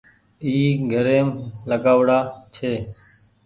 اي گھريم لآگآئو ڙآ ڇي